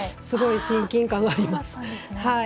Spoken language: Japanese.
すごい親近感があります。